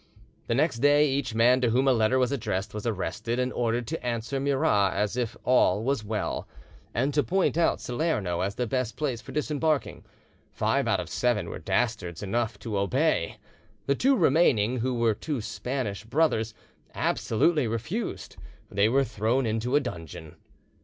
The next day each man to whom a letter was addressed was arrested and ordered to answer Murat as if all was well, and to point out Salerno as the best place for disembarking: five out of seven were dastards enough to obey; the two remaining, who were two Spanish brothers, absolutely refused; they were thrown into a dungeon.